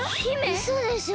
うそでしょ？